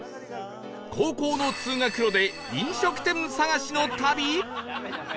高校の通学路で飲食店探しの旅！？